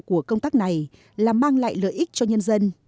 của công tác này là mang lại lợi ích cho nhân dân